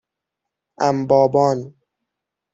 امبابان